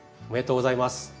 おめでとうございます。